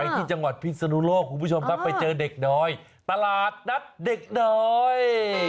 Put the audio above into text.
ที่จังหวัดพิศนุโลกคุณผู้ชมครับไปเจอเด็กน้อยตลาดนัดเด็กน้อย